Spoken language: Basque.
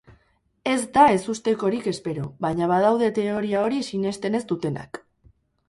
Ez da ezustekorik espero, baina badaude teoria hori sinesten ez dutenak.